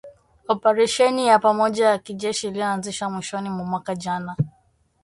operesheni ya pamoja ya kijeshi iliyoanzishwa mwishoni mwa mwaka jana